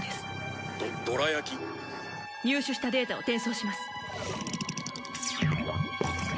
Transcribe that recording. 入手したデータを転送します。